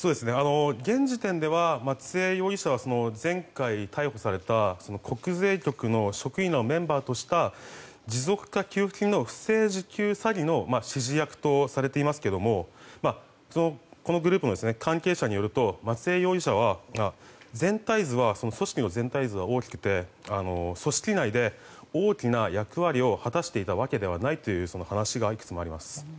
現時点では松江容疑者は前回、逮捕された国税局員の職員のメンバーとした持続化給付金の不正受給詐欺の指示役とされていますけどこのグループの関係者によると組織の全体図は大きくて組織内で大きな役割を果たしていたわけではないという話がいくつもあります。